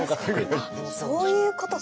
あっそういうことか！